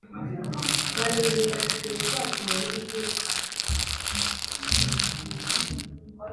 Barebera videwo zacu mu iduka